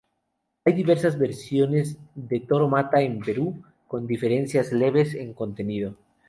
Hay diversas versiones de Toro Mata en Perú, con diferencias leves en contenido.